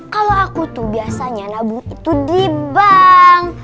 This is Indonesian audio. kalau aku tuh biasanya nabung itu di bank